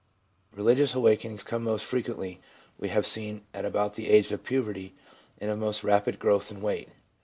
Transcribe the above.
Religious awakenings come most frequently, we have seen, at about the age of puberty and of most rapid growth in weight.